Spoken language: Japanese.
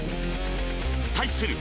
対する